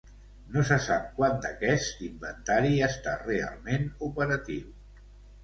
No se sap quant d'aquest inventari està realment operatiu.